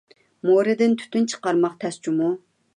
مورىدىن تۈتۈن چىقارماق تەس جۇمۇ!